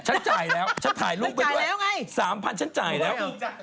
ฉันจ่ายแล้วฉันถ่ายรูปด้วยสามพันธุ์ฉันจ่ายแล้ว